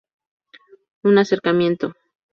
Un acercamiento".